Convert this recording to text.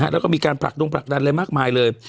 และมีการปรากตรงปรักดันอะไรมากมายเลย